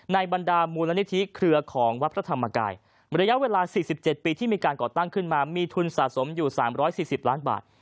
บรรดามูลนิธิเครือของวัดพระธรรมกายระยะเวลา๔๗ปีที่มีการก่อตั้งขึ้นมามีทุนสะสมอยู่๓๔๐ล้านบาท